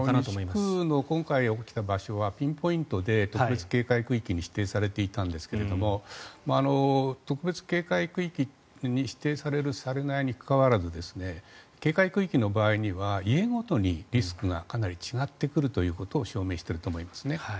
西区の今回起きた場所はピンポイントで特別警戒区域に指定されていたんですが特別警戒区域に指定されるされないにかかわらず警戒区域の場合には家ごとにリスクがかなり違ってくるということを証明していると思いますね。